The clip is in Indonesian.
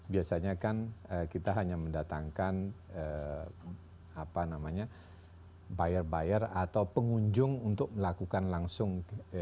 biasanya kan kita hanya mendatangkan buyer buyer atau pengunjung untuk melakukan langsung